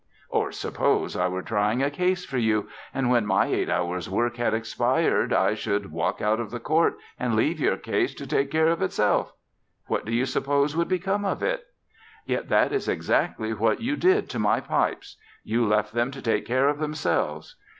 "Or suppose I were trying a case for you and, when my eight hours' work had expired, I should walk out of the court and leave your case to take care of itself. What do you suppose would become of it? Yet that is exactly what you did to my pipes. You left them to take care of themselves.